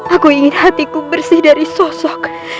aku ingin hatiku bersih dari sosok